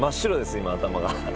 今頭が。